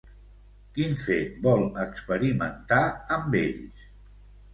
Quin fet vol experimentar amb ells?